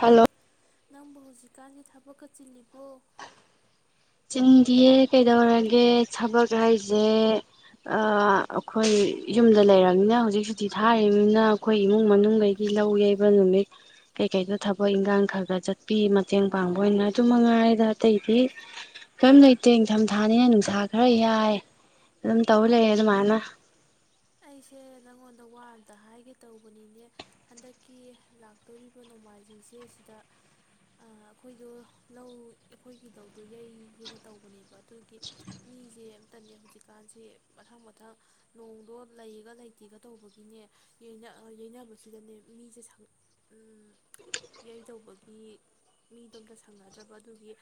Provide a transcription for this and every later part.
hello ꯅꯪꯕꯨ ꯍꯧꯖꯤꯛꯀꯥꯟꯁꯦ ꯊꯕꯛꯀ ꯆꯤꯜꯂꯤꯕꯣ ꯆꯤꯟꯗꯤꯌꯦ ꯀꯩꯗꯧꯔꯒꯦ ꯊꯕꯛ ꯍꯥꯏꯁꯦ ꯑꯩꯈꯣꯏ ꯌꯨꯝꯗ ꯂꯩꯔꯕꯅꯤꯅ ꯍꯧꯖꯤꯛ ꯍꯧꯖꯤꯛꯇꯤ ꯊꯥꯔꯤꯕꯅꯤꯅ ꯑꯩꯈꯣꯏ ꯏꯃꯨꯡ ꯃꯅꯨꯡꯈꯩꯗꯤ ꯂꯧ ꯌꯩꯕ ꯅꯨꯃꯤꯠ ꯀꯩꯀꯩꯗ ꯊꯕꯛ ꯏꯪꯈꯥꯡ ꯈꯔ ꯈꯔ ꯆꯠꯄꯤ ꯃꯇꯦꯡ ꯄꯥꯡꯕ ꯑꯣꯏꯅ ꯑꯗꯨ ꯃꯉꯥꯏꯗ ꯑꯇꯩꯗꯤ ꯀꯔꯤꯝ ꯂꯩꯇꯦ ꯅꯤꯡꯊꯝꯊꯥꯅꯤꯅ ꯅꯨꯡꯁꯥ ꯈꯔ ꯌꯥꯏ ꯑꯗꯨꯝ ꯇꯧ ꯂꯩꯦ ꯑꯗꯨꯃꯥꯏꯅ ꯑꯩꯁꯦ ꯅꯪꯉꯣꯟꯗ ꯋꯥ ꯑ ꯑꯃꯝꯇ ꯍꯥꯏꯒꯦ ꯇꯧꯕꯅꯤꯅꯦ ꯍꯟꯗꯛꯀꯤ ꯂꯥꯛꯇꯣꯔꯤꯕ ꯅꯣꯡꯃꯥꯏꯖꯤꯡꯁꯦ ꯁꯤꯗ ꯑꯩꯈꯣꯏꯗꯣ ꯂꯧ ꯑꯩꯈꯣꯏꯒꯤ ꯂꯧꯗꯣ ꯌꯩꯒꯦꯅ ꯇꯧꯕꯅꯦꯕ ꯑꯗꯨꯒꯤ ꯃꯤꯁꯦ ꯑꯝꯇꯅꯦ ꯍꯧꯖꯤꯛꯀꯥꯟꯁꯦ ꯃꯊꯪ ꯃꯊꯪ ꯅꯣꯡꯗꯣ ꯂꯩꯒ ꯂꯩꯇꯦꯒ ꯇꯧꯕꯒꯤꯅꯦ ꯌꯩꯅꯕꯁꯤꯗꯅꯦ ꯃꯤꯁꯦ ꯌꯩꯗꯧꯕꯒꯤ ꯃꯤꯗꯣ ꯑꯝꯇ ꯁꯪꯅꯗ꯭ꯔꯕ ꯑꯗꯨꯒꯤ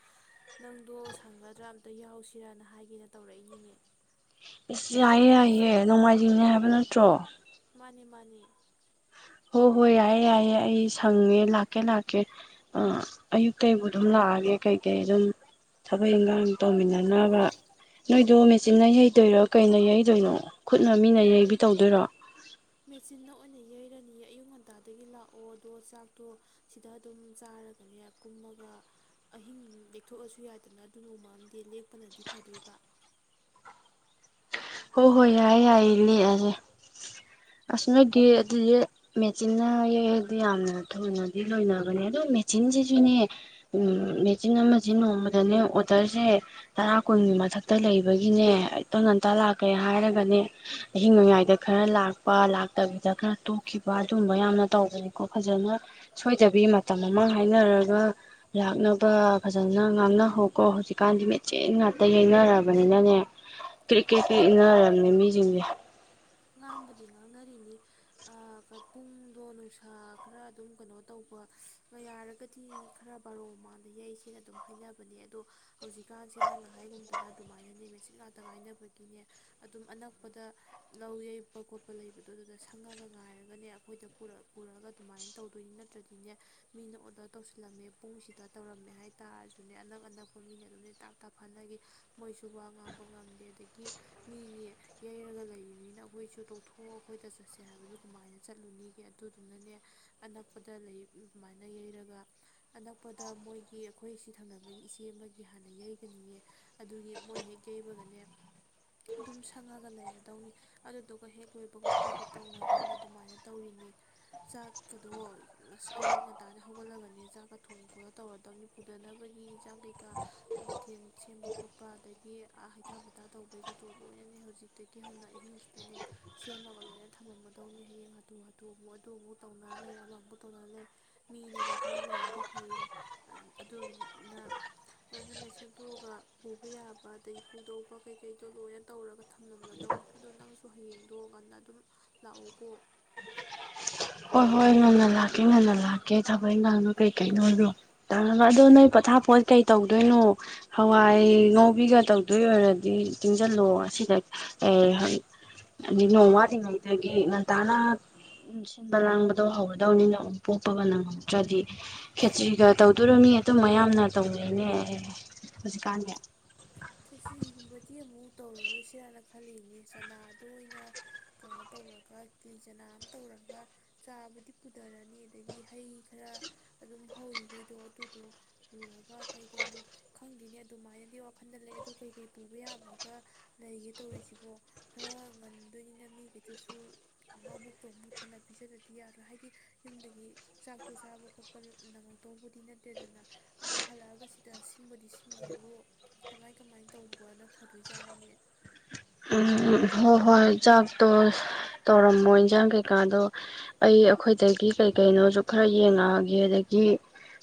ꯅꯪꯗꯣ ꯁꯪꯒꯗ꯭ꯔꯥ ꯑꯝꯇ ꯌꯥꯎꯁꯤꯔꯅ ꯍꯥꯏꯒꯦꯅ ꯇꯧꯔꯛꯏꯅꯤꯅꯦ ꯑꯁ ꯌꯥꯏꯌꯦ ꯌꯥꯏꯌꯦ ꯅꯣꯡꯃꯥꯏꯖꯤꯡꯅꯦ ꯍꯥꯏꯕ ꯅꯠꯇ꯭ꯔꯣ ꯃꯥꯅꯤ ꯃꯥꯅꯤ ꯍꯣꯏ ꯍꯣꯏ ꯌꯥꯏꯌꯦ ꯌꯥꯏꯌꯦ ꯑꯩ ꯁꯪꯉꯦ ꯂꯥꯛꯀꯦ ꯂꯥꯛꯀꯦ ꯑꯌꯨꯛꯇꯩꯕꯨ ꯑꯗꯨꯝ ꯂꯥꯛꯑꯒꯦ ꯀꯩꯀꯩ ꯑꯗꯨꯝ ꯊꯕꯛ ꯏꯪꯈꯥꯡ ꯇꯧꯃꯤꯟꯅꯅꯕ ꯅꯣꯏꯗꯣ ꯃꯦꯆꯤꯟꯅ ꯌꯩꯗꯣꯏꯔꯣ ꯀꯩꯅ ꯌꯩꯗꯣꯏꯅꯣ ꯈꯨꯠꯅ ꯃꯤꯅ ꯌꯩꯕꯤ ꯇꯧꯗꯣꯏꯔꯣ ꯂꯩꯔꯅꯤ ꯑꯌꯨꯛ ꯉꯟꯇꯥꯗꯒꯤ ꯂꯥꯛꯑꯣ ꯑꯗꯣ ꯆꯥꯛꯇꯣ ꯁꯤꯗ ꯑꯗꯨꯝ ꯆꯥꯔꯒꯅꯦ ꯀꯨꯝꯃꯒ ꯑꯍꯤꯡ ꯂꯦꯛꯊꯣꯛꯑꯁꯨ ꯌꯥꯏꯗꯅ ꯑꯗꯨ ꯅꯣꯡꯃꯝꯗꯤ ꯂꯦꯛꯄꯅꯗꯤ ꯐꯗꯣꯏꯕ ꯍꯣꯏ ꯍꯣꯏ ꯌꯥꯏꯌꯦ ꯌꯥꯏꯌꯦ ꯂꯦꯛꯑꯁꯦ ꯑꯁ ꯅꯣꯏꯗꯤ ꯑꯗꯨꯗꯤ ꯃꯦꯆꯤꯟꯅ ꯌꯩꯔꯗꯤ ꯌꯥꯝꯅ ꯊꯨꯅꯗꯤ ꯂꯣꯏꯅꯕꯅꯦ ꯑꯗꯨꯗꯣ ꯃꯦꯆꯤꯟꯁꯤꯁꯨꯅꯦ ꯃꯦꯆꯤꯟ ꯑꯃꯁꯦ ꯅꯣꯡꯃꯗꯅꯦ ꯑꯣꯗꯔꯁꯦ ꯇꯔꯥ ꯀꯨꯟꯒꯤ ꯃꯊꯛꯇ ꯂꯩꯕꯒꯤꯅꯦ ꯑꯇꯣ ꯉꯟꯇ ꯂꯥꯛ ꯀꯩ ꯍꯥꯏꯔꯒꯅꯦ ꯑꯍꯤꯡ ꯅꯣꯡꯌꯥꯏꯗ ꯈꯔ ꯂꯥꯛꯄ ꯂꯥꯛꯇꯕꯤꯗ ꯈꯔ ꯇꯣꯛꯈꯤꯕ ꯑꯗꯨꯝꯕ ꯌꯥꯝꯅ ꯇꯧꯕꯅꯤꯀꯣ ꯐꯖꯅ ꯁꯣꯏꯗꯕꯤ ꯃꯇꯝ ꯑꯃꯥ ꯍꯥꯏꯅꯔꯒ ꯂꯥꯛꯅꯕ ꯐꯖꯅ ꯉꯥꯡꯅꯍꯧꯀꯣ ꯍꯧꯖꯤꯛꯀꯥꯟꯗꯤ ꯃꯦꯆꯦꯟ ꯉꯥꯛꯇ ꯌꯅꯔꯕꯅꯤꯅꯅꯦ ꯀ꯭ꯔꯤꯀꯤꯛ ꯄ ꯏꯟꯅꯔꯕꯅꯦ ꯃꯤꯁꯤꯡꯁꯦ ꯉꯥꯡꯕꯨꯗꯤ ꯉꯥꯡꯅꯔꯤꯅꯤ ꯄꯨꯡꯗꯣ ꯅꯨꯡꯁꯥ ꯈꯔ ꯑꯗꯨꯝ ꯀꯩꯅꯣ ꯇꯧꯕ ꯌꯥꯔꯒꯗꯤ ꯈꯔ ꯕꯥꯔꯣ ꯃꯃꯥꯡꯗ ꯌꯩꯁꯤꯅ ꯑꯗꯨꯝ ꯍꯥꯏꯅꯕꯅꯦ ꯑꯗꯣ ꯍꯧꯖꯤꯛꯀꯥꯟꯁꯦ ꯅꯪꯅ ꯍꯥꯏꯒꯨꯝꯗꯅ ꯑꯗꯨꯃꯥꯏꯅꯅꯦ ꯃꯦꯆꯤꯟ ꯉꯥꯛꯇ ꯉꯥꯏꯅꯕꯒꯤꯅꯦ ꯑꯗꯨꯝ ꯑꯅꯛꯄꯗ ꯂꯧ ꯌꯩꯕ ꯈꯣꯠꯄ ꯂꯩꯕꯗꯣ ꯑꯗꯨꯗ ꯁꯪꯉꯒ ꯉꯥꯏꯔꯒꯅꯦ ꯑꯩꯈꯣꯏꯗ ꯄꯨꯔꯛꯒ ꯑꯗꯨꯃꯥꯏꯅ ꯇꯧꯗꯣꯏꯅꯤ ꯅꯠꯇ꯭ꯔꯗꯤꯅꯦ ꯃꯤꯅ ꯑꯣꯗꯔ ꯇꯧꯁꯤꯜꯂꯝꯃꯦ ꯄꯨꯡꯁꯤꯗ ꯇꯧꯔꯝꯃꯦ ꯍꯥꯏꯇꯥꯔꯁꯨꯅꯦ ꯑꯅꯛ ꯑꯅꯛꯄ ꯃꯤꯅ ꯑꯗꯨꯝꯅꯦ ꯇꯥꯞ ꯇꯥꯞ ꯐꯥꯅꯈꯤ ꯃꯣꯏꯁꯨ ꯋꯥ ꯉꯥꯡꯕ ꯉꯝꯗꯦ ꯑꯗꯒꯤ ꯃꯤꯒꯤ ꯌꯩꯔꯒ ꯂꯩ ꯃꯤꯅ ꯑꯩꯈꯣꯏꯁꯨ ꯇꯧꯊꯣꯛ ꯑꯩꯈꯣꯏꯗ ꯆꯠꯁꯦ ꯍꯥꯏꯕꯗꯨ ꯀꯃꯥꯏꯅ ꯆꯠꯂꯨꯅꯤꯒꯦ ꯑꯗꯨꯗꯨꯅꯅꯦ ꯑꯅꯛꯄꯗ ꯂꯩ ꯁꯃꯥꯏꯅ ꯌꯩꯔꯒ ꯑꯅꯛꯄꯗ ꯃꯣꯏꯒꯤ ꯑꯩꯈꯣꯏ ꯁꯤ ꯊꯪꯅꯕꯒꯤ ꯏꯆꯦ ꯑꯃꯒꯤ ꯍꯥꯟꯅ ꯌꯩꯒꯅꯤꯌꯦ ꯑꯗꯨꯒꯤ ꯃꯣꯏ ꯍꯦꯛ ꯌꯩꯕꯒꯅꯦ ꯑꯗꯨꯝ ꯁꯪꯉꯒ ꯂꯩꯔꯗꯧꯅꯤ ꯑꯗꯨꯗꯨꯒ ꯍꯦꯛ ꯂꯣꯏꯕꯒ ꯑꯩꯈꯣꯏꯗ ꯇꯧꯅꯕꯅ ꯑꯗꯨꯃꯥꯏꯅ ꯇꯧꯔꯤꯅꯦ ꯆꯥꯛꯀꯗꯣ ꯑ ꯑꯌꯨꯛ ꯉꯟꯇꯥꯗ ꯍꯧꯒꯠꯂꯒꯅꯤ ꯆꯥꯛꯀ ꯊꯣꯡ ꯈꯣꯠꯂ ꯇꯧꯔꯗꯕꯅꯤ ꯄꯨꯗꯅꯕꯒꯤ ꯏꯟꯖꯥꯡ ꯀꯩꯀꯥ ꯃꯊꯦꯜ ꯁꯦꯝꯕ ꯈꯣꯠꯄ ꯑꯗꯒꯤ ꯍꯩꯊꯥ ꯄꯣꯊꯥ ꯇꯧꯕꯩꯒꯗꯣ ꯂꯣꯏꯅꯅꯦ ꯍꯧꯖꯤꯛꯇꯒꯤ ꯍꯧꯅ ꯑꯍꯤꯡꯁꯤꯗꯅꯦ ꯁꯦꯝꯃꯒ ꯂꯣꯏꯅ ꯊꯝꯃꯝꯃꯗꯧꯅꯤ ꯍꯌꯦꯡ ꯍꯥꯊꯨ ꯍꯥꯊꯨ ꯑꯃꯨꯛ ꯑꯗꯨ ꯑꯃꯨꯛ ꯇꯧꯅ ꯂꯩ ꯑꯃꯃꯨꯛ ꯇꯧꯅ ꯂꯩ ꯃꯤꯅꯒ ꯈꯔ ꯂꯩꯔꯗꯤ ꯐꯩꯌꯦ ꯑꯗꯨꯅ ꯂꯣꯏꯅꯅꯦ ꯁꯦꯝꯗꯣꯛꯑꯒ ꯄꯨꯕ ꯌꯥꯕ ꯑꯗꯩ ꯄꯨꯗꯧꯕ ꯀꯩꯀꯩꯗꯣ ꯂꯣꯏꯅ ꯇꯧꯔꯒ ꯊꯝꯂꯝꯂꯗꯧꯅꯤ ꯑꯗꯣ ꯅꯪꯁꯨ ꯍꯌꯦꯡꯗꯣ ꯉꯟꯅ ꯑꯗꯨꯝ ꯂꯥꯛꯑꯣꯀꯣ ꯍꯣꯏ ꯍꯣꯏ ꯉꯟꯅ ꯂꯥꯛꯀꯦ ꯉꯟꯅ ꯂꯥꯛꯀꯦ ꯊꯕꯛ ꯏꯪꯈꯥꯡꯗꯣ ꯀꯩꯀꯩꯅꯣ ꯑꯣꯏꯕꯣ ꯑꯗꯣ ꯅꯣꯏ ꯄꯣꯊꯥ ꯄꯣꯠ ꯀꯩ ꯇꯧꯗꯣꯏꯅꯣ ꯍꯋꯥꯏ ꯉꯥꯎꯕꯤꯒ ꯇꯧꯗꯣꯏ ꯑꯣꯏꯔꯗꯤ ꯇꯤꯡꯁꯤꯜꯂꯣ ꯉꯁꯤꯗ ꯑꯦꯗꯤ ꯅꯣꯡ ꯋꯥꯠꯂꯤꯉꯩꯗꯒꯤ ꯉꯟꯇꯥꯅ ꯁꯤꯟꯕ ꯂꯥꯡꯕꯗꯣ ꯍꯧꯔꯗꯧꯅꯤꯅ ꯑꯃꯨꯛ ꯄꯣꯛꯄꯒ ꯅꯪꯍꯧꯗ꯭ꯔꯗꯤ ꯈꯦꯆ꯭ꯔꯤꯒ ꯇꯧꯗꯣꯔꯣꯅꯤ ꯑꯗꯨꯝ ꯃꯌꯥꯝꯅ ꯇꯧꯅꯩꯅꯦ ꯍꯧꯖꯤꯛꯀꯥꯟꯗꯤ ꯈꯦꯆ꯭ꯔꯤꯒꯨꯝꯕꯗꯤ ꯑꯃꯨꯛ ꯇꯧꯔꯔꯣꯏꯁꯤꯔꯥꯅ ꯈꯜꯂꯤꯅꯦ ꯆꯅꯥꯗꯣ ꯑꯣꯏꯅ ꯀꯩꯅꯣ ꯇꯧꯔꯒ ꯀꯤꯂꯤ ꯆꯅꯥ ꯑꯃ ꯇꯧꯔꯒ ꯆꯥꯕꯨꯗꯤ ꯄꯨꯊꯔꯅꯤ ꯑꯗꯒꯤ ꯍꯩ ꯈꯔ ꯑꯗꯨꯝ ꯍꯧꯔꯤꯈꯩꯗꯣ ꯑꯗꯨꯗꯣ ꯄꯨꯔꯒ ꯀꯩ ꯀꯩꯅꯣ ꯈꯪꯗꯦꯅꯦ ꯑꯗꯨꯃꯥꯏꯅꯗꯤ ꯋꯥꯈꯜ ꯍꯟꯗ ꯂꯩ ꯑꯗꯣ ꯀꯩꯀꯩ ꯄꯨꯕ ꯌꯥꯕꯒ ꯂꯩꯒꯦ ꯇꯧꯔꯤꯁꯤꯕꯣ ꯈꯔ ꯉꯟꯗꯣꯏꯅꯤꯅ ꯃꯤ ꯀꯩꯗꯨꯁꯨ ꯃꯕꯨꯛꯇꯣ ꯑꯃꯨꯛ ꯊꯟꯅ ꯄꯤꯖꯗꯗꯤ ꯌꯥꯗ꯭ꯔꯣ ꯍꯥꯏꯗꯤ ꯌꯨꯝꯗꯒꯤ ꯆꯥꯛꯇꯣ ꯆꯥꯕ ꯈꯣꯠꯄ ꯅꯪꯉꯛꯇꯧꯕꯗꯤ ꯅꯠꯇꯦꯗꯅ ꯑꯗꯨꯝ ꯍꯜꯂꯛꯑꯒ ꯁꯤꯗ ꯁꯤꯟꯕꯨꯗꯤ ꯁꯤꯟꯅꯦꯕꯨ ꯀꯃꯥꯏ ꯀꯃꯥꯏ ꯇꯧꯕꯅ ꯐꯗꯣꯏꯖꯥꯠꯅꯨꯅꯦ ꯍꯣꯏ ꯍꯣꯏ ꯆꯥꯛꯇꯣ ꯇꯧꯔꯝꯃꯣ ꯏꯟꯖꯥꯡ ꯀꯩꯀꯥꯗꯣ ꯑꯩ ꯑꯩꯈꯣꯏꯗꯒꯤ ꯀꯩ ꯀꯩꯅꯣꯁꯨ ꯈꯔ ꯌꯦꯡꯉꯛꯑꯒꯦ ꯑꯗꯒꯤ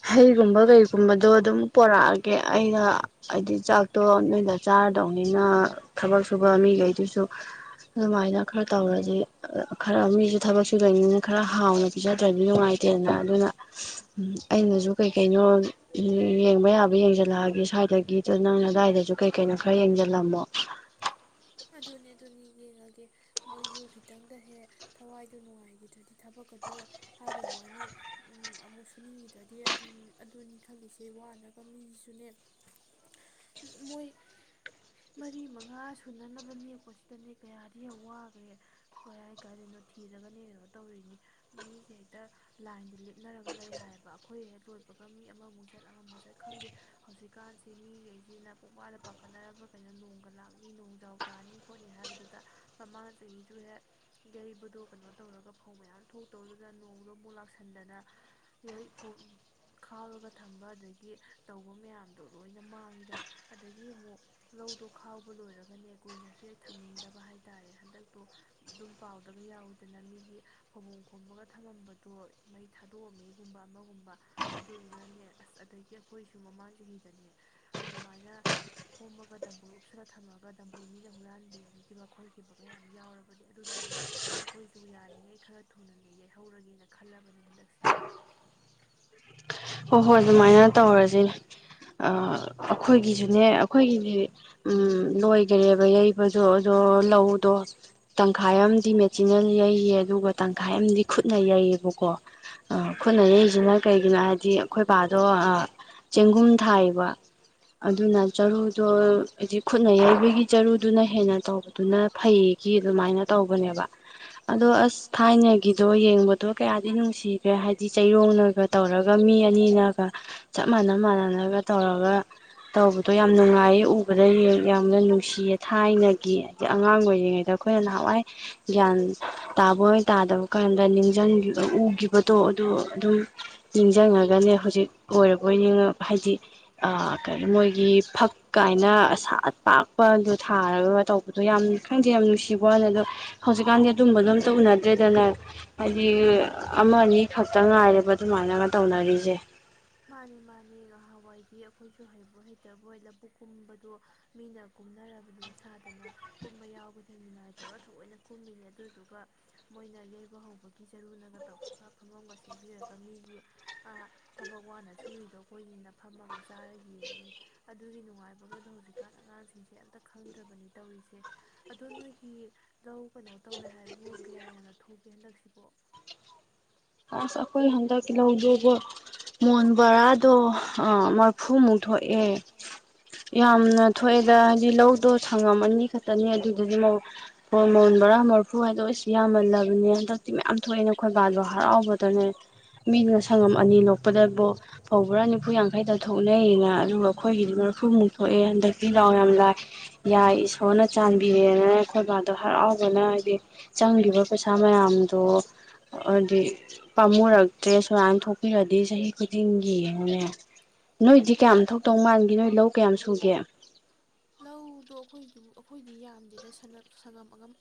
ꯍꯩꯒꯨꯝꯕ ꯀꯩꯒꯨꯝꯕꯗꯣ ꯑꯗꯨꯝ ꯄꯣꯔꯛꯑꯒꯦ ꯑꯩꯅ ꯍꯥꯏꯗꯤ ꯆꯥꯛꯇꯣ ꯅꯣꯏꯗ ꯆꯥꯔꯗꯧꯅꯤꯅ ꯊꯕꯛ ꯁꯨꯕ ꯃꯤꯈꯩꯗꯨꯁꯨ ꯑꯗꯨꯃꯥꯏꯅ ꯈꯔ ꯇꯧꯔꯗꯤ ꯈꯔ ꯃꯤꯁꯨ ꯊꯕꯛ ꯁꯨꯗꯣꯏꯅꯤꯅ ꯈꯔ ꯍꯥꯎꯅ ꯄꯤꯖꯗ꯭ꯔꯗꯤ ꯅꯨꯡꯉꯥꯏꯇꯦꯅ ꯑꯗꯨꯅ ꯑꯩꯅꯁꯨ ꯀꯩ ꯀꯩꯅꯣ ꯌꯦꯡꯕ ꯌꯥꯕ ꯌꯦꯡꯁꯤꯜꯂꯛꯑꯒꯦ ꯁ꯭ꯋꯥꯏꯗꯒꯤꯗ ꯅꯪꯅ ꯑꯗꯨꯗꯥꯋꯥꯏꯗꯁꯨ ꯀꯩ ꯀꯩꯅꯣ ꯈꯔ ꯌꯦꯡꯁꯤꯜꯂꯝꯃꯣ ꯑꯗꯨꯅꯦ ꯑꯗꯨꯅꯦ ꯌꯦꯡꯉꯒꯦ ꯃꯣꯏꯁꯨ ꯈꯤꯇꯪꯗ ꯍꯦꯛ ꯊꯋꯥꯏꯗꯨ ꯅꯨꯡꯉꯥꯏꯈꯤꯗ꯭ꯔꯗꯤ ꯊꯕꯛ ꯀꯗꯣ ꯍꯥꯏꯕꯒꯤ ꯋꯥꯅꯤ ꯎꯝ ꯑꯃꯨꯛ ꯁꯨꯅꯤꯡꯈꯤꯗ꯭ꯔꯗꯤ ꯑꯗꯨꯝ ꯑꯗꯨꯅꯤ ꯈꯜꯂꯤꯁꯦ ꯋꯥꯅꯕ ꯃꯤꯁꯤꯁꯨꯅꯦ ꯃꯣꯏ ꯃꯔꯤ ꯃꯉꯥ ꯁꯨꯅꯅꯕ ꯅꯦꯛꯄꯁꯤꯗꯅꯦ ꯀꯌꯥꯗꯤ ꯌꯥꯝ ꯋꯥꯈ꯭ꯔꯦ ꯀꯥꯢ ꯀꯥꯢꯗꯅꯣ ꯊꯤꯔꯒꯅꯦ ꯀꯩꯅꯣ ꯇꯧꯔꯤꯅꯤ ꯃꯤꯁꯦ ꯍꯦꯛꯇ ꯂꯥꯏꯟꯗ ꯂꯦꯞꯅꯔꯒ ꯂꯩ ꯍꯥꯏꯌꯦꯕ ꯑꯩꯈꯣꯏ ꯍꯦꯛ ꯂꯣꯏꯕꯒ ꯃꯤ ꯑꯃꯃꯨꯛ ꯆꯠ ꯑꯃꯃꯨꯛ ꯆꯠ ꯈꯪꯗꯦ ꯍꯧꯖꯤꯛꯀꯥꯟꯁꯤ ꯃꯤꯈꯩꯁꯤꯅ ꯄꯨꯡꯄꯥꯗ ꯄꯥꯈꯠꯅꯔꯕ꯭ꯔꯥ ꯀꯩꯅꯣ ꯅꯣꯡꯒ ꯂꯥꯛꯅꯤ ꯈꯖꯥꯎ ꯇꯥꯅꯤ ꯈꯣꯠꯅꯤ ꯍꯥꯏꯕꯗꯨꯗ ꯃꯃꯥꯡ ꯆꯍꯤꯁꯨ ꯍꯦꯛ ꯌꯩꯕꯗꯣ ꯀꯩꯅꯣ ꯇꯧꯔꯒ ꯐꯧ ꯃꯌꯥꯝ ꯊꯣꯛꯇꯧꯕꯗꯨꯗ ꯅꯣꯡꯗꯣ ꯑꯃꯨꯛ ꯂꯥꯛꯁꯟꯗꯅ ꯐꯧ ꯈꯥꯎꯔꯒ ꯊꯝꯕ ꯑꯗꯒꯤ ꯇꯧꯕ ꯃꯌꯥꯝꯗꯣ ꯂꯣꯏꯅ ꯃꯥꯡꯉꯤꯗꯧ ꯑꯗꯒꯤ ꯑꯃꯨꯛ ꯂꯧꯗꯣ ꯈꯥꯎꯕ ꯂꯣꯏꯔꯒꯅꯦ ꯀꯨꯏꯅꯁꯨ ꯍꯦꯛ ꯊꯝꯅꯤꯡꯗꯕ ꯍꯥꯏꯇꯥꯔꯦ ꯍꯟꯗꯛꯇꯣ ꯑꯗꯨꯝ ꯄꯥꯎꯗꯒ ꯌꯥꯎꯋꯤꯗꯅ ꯃꯤꯒꯤ ꯐꯕꯣꯡꯝ ꯈꯣꯝꯃꯒ ꯊꯝꯃꯝꯕꯗꯣ ꯃꯩ ꯊꯥꯗꯣꯛꯑꯝꯃꯦꯒꯨꯝꯕ ꯑꯃꯒꯨꯝꯕ ꯑꯗꯨꯗꯨꯅꯅꯦ ꯑꯁ ꯑꯗꯒꯤ ꯑꯩꯈꯣꯏꯁꯨ ꯃꯃꯥꯡ ꯆꯍꯤꯗꯅꯦ ꯑꯗꯨꯃꯥꯏꯅ ꯈꯣꯝꯃꯒ ꯗꯝꯕꯨꯔ ꯎꯞꯁꯜꯂ ꯊꯝꯃꯒ ꯗꯝꯕꯨꯔ ꯃꯤꯅ ꯍꯨꯔꯥꯟꯕꯤꯈꯤꯕ ꯈꯣꯠꯈꯤꯕꯒ ꯌꯥꯝ ꯌꯥꯎꯔꯕꯅꯦ ꯑꯗꯨꯅꯅꯦ ꯑꯩꯈꯣꯏꯁꯨ ꯌꯥꯔꯤꯉꯩ ꯈꯔ ꯊꯨꯅꯅ ꯌꯩꯍꯧꯔꯒꯦꯅ ꯈꯜꯂꯕꯅꯦ ꯍꯟꯗꯛꯁꯤꯗ ꯍꯣꯏ ꯍꯣꯏ ꯑꯗꯨꯃꯥꯏꯅ ꯇꯧꯔꯁꯤꯅꯦ ꯑꯩꯈꯣꯏꯒꯤꯁꯨꯅꯦ ꯑꯩꯈꯣꯏꯒꯤꯗꯤ ꯂꯣꯏꯒꯔꯦꯕ ꯌꯩꯕꯗꯣ ꯑꯗꯣ ꯂꯧꯗꯣ ꯇꯪꯈꯥꯏ ꯑꯃꯗꯤ ꯃꯦꯆꯤꯟꯅ ꯌꯩꯌꯦ ꯑꯗꯨꯒ ꯇꯪꯈꯥꯏ ꯑꯃꯗꯤ ꯈꯨꯠꯅ ꯌꯩꯌꯦꯕꯀꯣ ꯈꯨꯠꯅ ꯌꯩꯁꯤꯅ ꯀꯩꯒꯤꯅꯣ ꯍꯥꯏ ꯆꯦꯡꯒꯨꯝ ꯊꯥꯢꯌꯦꯕ ꯑꯗꯨꯅ ꯆꯔꯨꯗꯣ ꯍꯥꯏꯗꯤ ꯈꯨꯠꯅ ꯌꯩꯕꯒꯤ ꯆꯔꯨꯅ ꯍꯦꯟꯅ ꯇꯧꯕꯗꯨꯅ ꯐꯩꯌꯦꯒꯤ ꯑꯗꯨꯃꯥꯏꯅ ꯇꯧꯕꯅꯦꯕ ꯑꯁ ꯊꯥꯏꯒꯤꯗꯣ ꯌꯦꯡꯕꯗꯣ ꯀꯌꯥ ꯅꯨꯡꯁꯤꯒ꯭ꯔꯦ ꯍꯥꯏꯗꯤ ꯆꯩꯔꯣꯡꯅꯒ ꯇꯧꯔ ꯃꯤ ꯑꯅꯤꯅꯒ ꯆꯞ ꯃꯥꯟꯅ ꯃꯥꯟꯅꯅꯒ ꯇꯧꯔꯒ ꯇꯧꯕꯗꯣ ꯌꯥꯝ ꯅꯨꯡꯉꯥꯏꯌꯦ ꯎꯕꯗ ꯌꯥꯝꯅ ꯅꯨꯡꯁꯤꯌꯦ ꯊꯥꯏꯅꯒꯤ ꯍꯥꯏꯗꯤ ꯑꯉꯥꯡ ꯑꯣꯏꯔꯤꯉꯩꯗ ꯑꯩꯈꯣꯏꯅ ꯅꯍꯥꯟꯋꯥꯏ ꯒ꯭ꯌꯥꯟ ꯇꯥꯕꯣꯢ ꯇꯥꯗꯕꯣꯢ ꯀꯥꯟꯗ ꯅꯤꯡꯁꯤꯡꯈꯤꯕ ꯎꯈꯤꯕꯗꯣ ꯑꯗꯨ ꯑꯗꯨꯝ ꯎꯅꯦ ꯍꯧꯖꯤꯛ ꯑꯣꯏꯔꯕꯅꯤ ꯍꯥꯏꯗꯤ ꯀꯔꯤ ꯃꯣꯏꯒꯤ ꯐꯛ ꯀꯥꯏꯅ ꯑꯁꯥ ꯑꯠꯄꯥꯛꯥꯛꯄꯗꯣ ꯊꯥꯔꯒ ꯇꯧꯕꯗꯣ ꯌꯥꯝ ꯈꯪꯗꯦ ꯌꯥꯝ ꯅꯨꯡꯁꯤꯕꯅ ꯑꯗꯣ ꯍꯧꯖꯤꯛꯀꯥꯟꯗꯤ ꯑꯗꯨꯝꯕꯗꯣ ꯑꯝꯇ ꯎꯅꯗ꯭ꯔꯦꯗꯅ ꯍꯥꯏꯗꯤ ꯑꯃ ꯑꯅꯤ ꯈꯛꯇ ꯉꯥꯏ ꯃꯥꯏꯅ ꯃꯥꯅꯦ ꯃꯥꯅꯦ ꯉꯍꯥꯟꯋꯥꯏꯗꯤ ꯑꯩꯈꯣꯏꯁꯨ ꯍꯩꯕ ꯍꯩꯇꯕꯣꯏ ꯂꯕꯨꯨꯛ ꯀꯨꯝꯕꯗꯣ ꯃꯤꯅ ꯀꯨꯝꯅꯔꯕꯅꯤ ꯁꯥꯗꯅ ꯀꯨꯝꯕ ꯌꯥꯎꯕꯗ ꯉꯥꯏꯇꯧꯔꯒ ꯊꯑꯣꯏꯅ ꯀꯨꯝꯃꯤꯅꯦ ꯑꯗꯨꯗꯨꯒ ꯃꯣꯏꯅ ꯌꯩꯕ ꯍꯧꯕꯒꯤ ꯆꯖꯔꯨꯅꯒ ꯇꯧꯔꯒ ꯐꯝꯃꯝꯒ ꯁꯦꯝꯕꯤꯔꯒ ꯃꯤꯒꯤ ꯊꯕꯛ ꯋꯥꯅ ꯁꯨꯔꯤꯗꯣ ꯑꯩꯈꯣꯏꯁꯤꯅ ꯐꯝꯃꯒ ꯆꯥꯔ ꯌꯦꯡꯉꯤꯅꯤ ꯑꯗꯨꯒꯤ ꯅꯨꯡꯉꯥꯏꯕꯒꯗꯣ ꯍꯧꯖꯤꯛꯀꯥꯟ ꯑꯉꯥꯡꯁꯤꯡꯁꯦ ꯑꯝꯇ ꯈꯪꯗ꯭ꯔꯕꯅꯤ ꯇꯧꯔꯤꯁꯦ ꯑꯗꯣ ꯅꯣꯏꯒꯤ ꯂꯧ ꯀꯩꯅꯣ ꯇꯧꯋꯦ ꯍꯥꯏꯕꯨ ꯀꯌꯥ ꯌꯥꯝꯅ ꯊꯣꯛꯒꯦ ꯍꯟꯗꯛꯁꯤꯕꯣ ꯑꯩꯈꯣꯏ ꯍꯟꯗ ꯇꯤꯍꯧꯗꯨꯕꯣ ꯃꯣꯟ ꯕꯣꯔꯥꯗꯣꯥ ꯃꯔꯐꯨꯃꯨꯛ ꯊꯣꯛꯑꯦ ꯌꯥꯝꯅ ꯊꯣꯛꯑꯦꯗ ꯍꯥꯏꯗꯤ ꯂꯧꯗꯣ ꯁꯪꯉꯝꯃꯅꯤ ꯈꯛꯇꯅꯤ ꯑꯗꯨꯗꯨꯗꯤ ꯃꯣꯟ ꯕꯔꯥ ꯃꯔꯐꯨ ꯍꯥꯏꯗꯣ ꯑꯩꯁꯨ ꯌꯥꯝꯃꯜꯂꯕꯅꯦ ꯍꯟꯗꯛꯇꯤ ꯃꯌꯥꯝ ꯊꯣꯛꯑꯦꯅ ꯈꯣꯏꯕꯥꯗꯣ ꯍꯔꯥꯎꯕꯗꯅꯦ ꯃꯤ ꯁꯪꯉꯝ ꯑꯅꯤ ꯂꯣꯛꯄꯗꯕꯨ ꯐꯧꯕ꯭ꯔꯥ ꯅꯤꯐꯨ ꯌꯥꯡꯈꯩꯗ ꯊꯣꯛꯅꯩꯑꯌꯦꯅ ꯑꯗꯨꯒ ꯑꯩꯈꯣꯏꯒꯤꯗꯤ ꯃꯔꯐꯨꯃꯨꯛ ꯊꯣꯛꯑꯦ ꯍꯟꯗꯛꯇꯤ ꯂꯥꯎ ꯌꯥꯝ ꯂꯥꯏ ꯌꯥꯏ ꯏꯁꯣꯔꯅ ꯆꯥꯟꯕꯤꯔꯦꯅ ꯑꯩꯈꯣꯏꯕꯥꯗꯣ ꯍꯔꯥꯎꯕꯅ ꯍꯥꯏꯗꯤ ꯆꯪꯈꯤꯕ ꯄꯩꯁꯥ ꯃꯌꯥꯝꯗꯣ ꯄꯥꯃꯨ ꯔꯒꯗ ꯁ ꯂꯥꯟ ꯊꯣꯛꯄꯤꯔꯛꯑꯗꯤ ꯆꯍꯤ ꯈꯨꯗꯤꯡꯒꯤꯅꯦ ꯅꯣꯏꯗꯤ ꯀꯌꯥꯝ ꯊꯣꯛꯇꯧ ꯃꯥꯥꯟꯈꯤꯦ ꯅꯣꯏ ꯂꯧ ꯀꯌꯥꯝ ꯁꯨꯒꯦ ꯑꯩꯈꯣꯏꯗꯤ ꯌꯥꯝꯗꯦꯗ ꯁꯪꯉꯝ ꯑꯉꯝ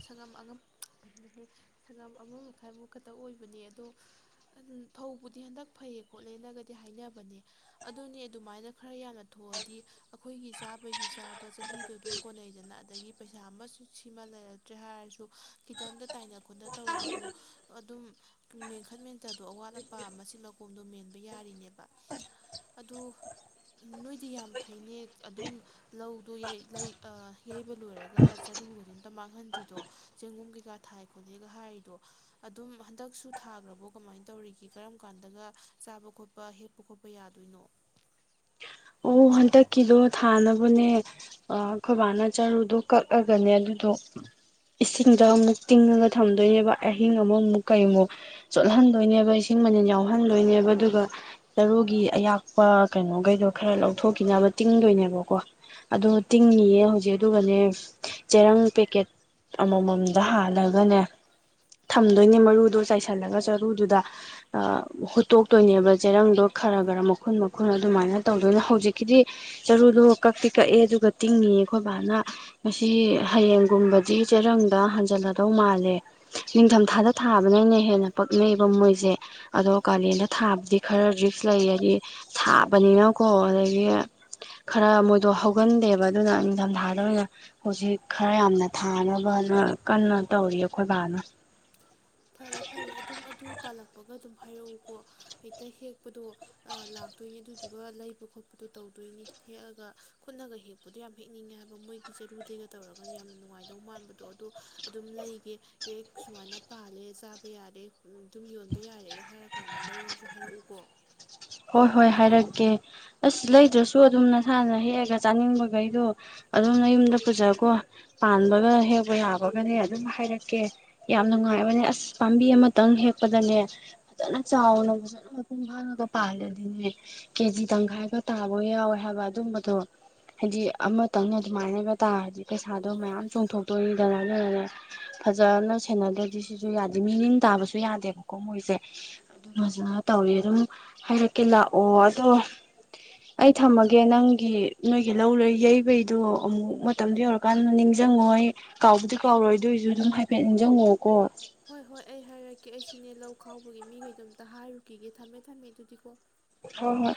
ꯁꯉꯝ ꯑꯉꯝ ꯁꯪꯒꯝ ꯑꯃ ꯃꯈꯥꯏꯃꯨꯛ ꯈꯛꯇ ꯑꯣꯏꯕꯅꯦ ꯑꯗꯣ ꯐꯧꯕꯨꯗꯤ ꯍꯟꯗꯛ ꯐꯩꯌꯦ ꯈꯣꯠꯂꯦꯅꯒꯗꯤ ꯍꯥꯏꯅꯕꯅꯦ ꯑꯗꯨꯅꯤ ꯑꯗꯨꯃꯥꯏꯅ ꯈꯔ ꯌꯥꯝꯅ ꯊꯣꯛꯑꯗꯤ ꯑꯩꯈꯣꯏꯒꯤ ꯆꯥꯕꯩꯁꯨ ꯆꯥꯕ ꯆꯍꯤꯗꯣ ꯑꯗꯨꯝ ꯀꯣꯟꯅꯩꯗꯅ ꯑꯗꯒꯤ ꯄꯩꯁꯥ ꯑꯃꯁꯨ ꯁꯤꯃ ꯂꯩꯔꯛꯇ꯭ꯔꯦ ꯍꯥꯏꯔꯁꯨ ꯈꯤꯇꯪꯗ ꯇꯥꯏꯅ ꯈꯣꯠꯅ ꯇꯧꯔꯁꯨ ꯑꯗꯨꯝ ꯃꯦꯟꯈꯠ ꯃꯦꯟꯊꯗꯣ ꯑꯋꯥꯠ ꯑꯄꯥ ꯃꯆꯤꯠ ꯃꯀꯣꯡꯗꯣ ꯃꯦꯟꯕ ꯌꯥꯔꯤꯅꯦꯕ ꯑꯗꯨ ꯅꯣꯏꯗꯤ ꯌꯥꯝ ꯐꯩꯅꯦ ꯑꯗꯨꯝ ꯂꯧꯗꯣ ꯂꯩ ꯌꯩꯕ ꯂꯣꯏꯔꯒ ꯆꯔꯨꯒ ꯑꯗꯨꯝ ꯃꯥꯡꯍꯟꯗ꯭ꯔꯤꯗꯣ ꯆꯦꯡꯒꯨꯝ ꯀꯩꯀꯥ ꯊꯥꯏ ꯈꯣꯠꯂꯦꯒ ꯍꯥꯏꯔꯤꯗꯣ ꯑꯗꯨꯝ ꯍꯟꯗꯛꯁꯨ ꯊꯥꯈ꯭ꯔꯕꯣ ꯀꯃꯥꯏꯅ ꯇꯧꯔꯤꯒꯦ ꯀꯔꯝ ꯀꯥꯟꯗꯒ ꯆꯥꯕ ꯈꯣꯠꯄ ꯍꯦꯛꯄ ꯈꯣꯠꯄ ꯌꯥꯗꯣꯏꯅꯣ ꯑꯣ ꯍꯟꯗꯛꯀꯤꯗꯣ ꯊꯥꯅꯕꯅꯦ ꯑꯩꯈꯣꯏꯕꯥꯅ ꯆꯔꯨꯗꯣ ꯀꯛꯑꯒꯅꯦ ꯑꯗꯨꯗꯣ ꯏꯁꯤꯡꯗ ꯑꯃꯨꯛ ꯇꯤꯡꯉꯒ ꯊꯝꯗꯣꯏꯅꯦꯕ ꯑꯍꯤꯡ ꯑꯃꯃꯨꯛ ꯀꯩꯃꯨꯛ ꯆꯣꯠꯍꯟꯗꯣꯏꯅꯦꯕ ꯏꯁꯤꯡ ꯃꯅꯤꯜ ꯌꯥꯎꯍꯟꯗꯣꯏꯅꯦꯕ ꯑꯗꯨꯒ ꯆꯔꯨꯒꯤ ꯑꯌꯥꯛꯄ ꯀꯩꯅꯣꯒꯩꯗꯣ ꯈꯔ ꯂꯧ ꯊꯣꯛꯈꯤꯅꯕ ꯇꯤꯡꯗꯣꯏꯅꯦꯕꯀꯣ ꯑꯗꯨ ꯇꯤꯡꯉꯤꯌꯦ ꯍꯧꯖꯤꯛ ꯑꯗꯨꯒꯅꯦ ꯆꯦꯔꯪ ꯄꯦꯛꯀꯦꯠ ꯑꯃꯃꯝꯗ ꯍꯥꯜꯂꯒꯅꯦ ꯊꯝꯗꯣꯏꯅꯦ ꯃꯔꯨꯗꯣ ꯆꯥꯏꯁꯤꯜꯂꯒ ꯆꯔꯨꯗꯨꯗ ꯍꯨꯠꯇꯣꯛꯇꯣꯏꯅꯦꯕ ꯆꯦꯔꯪꯗꯣ ꯈꯔ ꯈꯔ ꯃꯈꯨꯟ ꯃꯈꯨꯟ ꯑꯗꯨꯃꯥꯏꯅ ꯇꯧꯗꯣꯏꯅꯦ ꯍꯧꯖꯤꯛꯀꯤꯗꯤ ꯆꯔꯨꯗꯣ ꯀꯛꯇꯤ ꯀꯛꯑꯦ ꯑꯗꯨꯒ ꯇꯤꯡꯉꯤꯌꯦ ꯑꯩꯈꯣꯏ ꯕꯥꯅ ꯉꯁꯤ ꯍꯌꯦꯡꯒꯨꯝꯕꯗꯤ ꯆꯦꯔꯪꯗ ꯍꯥꯟꯖꯤꯜꯂꯗꯧ ꯃꯥꯜꯂꯦ ꯅꯤꯡꯊꯝꯊꯥꯗ ꯊꯥꯕꯅꯝꯅ ꯍꯦꯟꯅ ꯄꯛꯅꯩꯌꯦꯕ ꯃꯣꯏꯁꯦ ꯑꯗꯣ ꯀꯥꯂꯦꯟꯗ ꯊꯥꯕꯗꯤ ꯈꯔ ꯔꯤꯛꯁ ꯂꯩ ꯍꯥꯏꯗꯤ ꯊꯥꯕꯅꯤꯅꯀꯣ ꯑꯗꯒꯤ ꯈꯔ ꯃꯣꯏꯗꯣ ꯍꯧꯒꯟꯗꯦꯕ ꯑꯗꯨꯅ ꯅꯤꯡꯊꯝ ꯊꯥꯗ ꯑꯣꯏꯅ ꯍꯧꯖꯤꯛ ꯈꯔ ꯌꯥꯝꯅ ꯊꯥꯅꯕꯅ ꯀꯟꯅ ꯇꯧꯔꯤꯑꯀꯣ ꯑꯩꯈꯣꯏꯕꯥꯅ ꯐꯔꯦ ꯐꯔꯦ ꯑꯗꯨꯝ ꯑꯗꯨ ꯄꯥꯜꯂꯛꯄꯒ ꯑꯗꯨꯝ ꯍꯥꯏꯔꯛꯎꯀꯣ ꯍꯦꯛꯇ ꯍꯦꯛꯄꯗꯣ ꯂꯥꯛꯇꯣꯏꯅꯤ ꯑꯗꯨꯗꯨꯒ ꯂꯩꯕ ꯈꯣꯠꯄꯗꯣ ꯇꯧꯗꯣꯏꯅꯤ ꯍꯦꯛꯑꯒ ꯈꯨꯠꯅꯒ ꯍꯦꯛꯄꯗꯣ ꯌꯥꯝ ꯍꯦꯛꯅꯤꯡꯉꯦ ꯍꯥꯏꯕ ꯃꯣꯏꯒꯤ ꯆꯔꯨꯗꯩꯒ ꯇꯧꯔꯒ ꯌꯥꯝꯅ ꯅꯨꯡꯉꯥꯏꯗꯧ ꯃꯥꯟꯕꯗꯣ ꯑꯗꯨꯗꯣ ꯑꯗꯨꯝ ꯂꯩꯒꯦ ꯍꯦꯛ ꯁꯨꯃꯥꯏꯅ ꯄꯥꯜꯂꯦ ꯆꯥꯕ ꯌꯥꯔꯦ ꯑꯗꯨꯝ ꯌꯣꯟꯕ ꯌꯥꯔꯦꯒ ꯍꯥꯏꯔ ꯀꯥꯟꯗ ꯃꯔꯣꯟꯁꯨ ꯍꯥꯏꯔꯛꯎꯀꯣ ꯍꯣꯏ ꯍꯣꯏ ꯍꯥꯏꯔꯛꯀꯦ ꯑꯁ ꯂꯩꯗ꯭ꯔꯁꯨ ꯑꯗꯨꯝ ꯅꯁꯥꯅ ꯍꯦꯛꯑꯒ ꯆꯥꯅꯤꯡꯕꯈꯩꯗꯣ ꯑꯗꯨꯝꯅ ꯌꯨꯝꯗ ꯄꯨꯖꯀꯣ ꯄꯥꯟꯕꯒ ꯍꯦꯛꯄ ꯌꯥꯕꯒꯅꯦ ꯑꯗꯨꯝ ꯍꯥꯏꯔꯛꯀꯦ ꯌꯥꯝ ꯅꯨꯡꯉꯥꯏꯕꯅꯦ ꯑꯁ ꯄꯥꯝꯕꯤ ꯑꯃꯇꯪ ꯍꯦꯛꯄꯗꯅꯦ ꯐꯖꯅ ꯆꯥꯎꯅ ꯐꯖꯅ ꯃꯄꯨꯡ ꯐꯥꯅꯒ ꯇꯥꯗꯗꯤꯅꯦ ꯀꯦꯖꯤ ꯇꯪꯈꯥꯏꯒ ꯇꯥꯕ ꯌꯥꯎꯋꯦ ꯍꯥꯏꯕ ꯑꯗꯨꯝꯕꯗꯣ ꯍꯥꯏꯗꯤ ꯑꯃꯇꯪꯅ ꯑꯗꯨꯃꯥꯏꯅ ꯍꯥꯏꯕ ꯇꯥꯔꯗꯤ ꯄꯩꯁꯥꯗꯣ ꯃꯌꯥꯝ ꯆꯣꯡꯊꯣꯛꯇꯣꯔꯤꯗꯅ ꯑꯗꯨꯅꯅꯦ ꯐꯖꯅ ꯁꯦꯟꯅꯗ꯭ꯔꯗꯤ ꯁꯤꯁꯨ ꯌꯥꯗꯦ ꯃꯤꯅꯤꯟ ꯇꯥꯕꯁꯨ ꯌꯥꯗꯦꯕꯀꯣ ꯃꯣꯏꯁꯦ ꯑꯗꯨ ꯐꯖꯅ ꯇꯧꯋꯦ ꯑꯗꯨꯝ ꯍꯥꯏꯔꯛꯀꯦ ꯂꯥꯛꯑꯣ ꯑꯗꯣ ꯑꯩ ꯊꯝꯃꯒꯦ ꯅꯪꯒꯤ ꯅꯣꯏꯒꯤ ꯂꯧ ꯂꯣꯏ ꯌꯩꯕꯩꯗꯣ ꯑꯃꯨꯛ ꯃꯇꯝꯗꯨꯣ ꯌꯧꯔꯀꯥꯟꯗ ꯅꯤꯡꯁꯤꯡꯉꯣꯏ ꯀꯥꯎꯕꯨꯗꯤ ꯀꯥꯎꯔꯣꯏ ꯑꯗꯨꯏꯁꯨ ꯑꯗꯨꯝ ꯍꯥꯏꯐꯦꯠ ꯅꯤꯡꯁꯤꯡꯉꯣ ꯍꯣꯏ ꯍꯣꯏ ꯑꯩ ꯍꯥꯏꯔꯛꯒꯦ ꯀꯦ ꯑꯩꯁꯨꯅꯦ ꯂꯧ ꯈꯥꯎꯕꯒꯤ ꯃꯤꯈꯩꯗꯣ ꯑꯝꯇ ꯍꯥꯏꯔꯨꯈꯤꯒꯦ ꯊꯝꯃꯦ ꯊꯝꯃꯦ ꯑꯗꯨꯗꯤ ꯀꯣ ꯍꯣ ꯍꯣꯏ